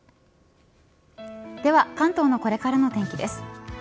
では関東のこれからのお天気です。